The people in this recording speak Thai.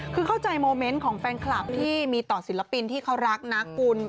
คือเข้าใจโมเมนต์ของแฟนคลับที่มีต่อศิลปินที่เขารักนะคุณ